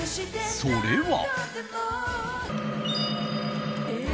それは。